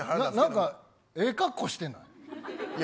何かええ格好してない。